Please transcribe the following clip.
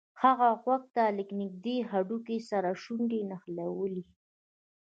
هغه غوږ ته له نږدې هډوکي سره شونډې نښلولې